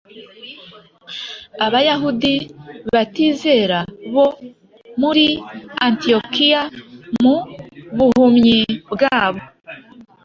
Abayahudi batizera bo muri Antiyokiya mu buhumyi bwabo